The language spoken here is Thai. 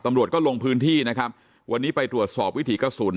ตำรวจก็ลงพื้นที่นะครับวันนี้ไปตรวจสอบวิถีกระสุน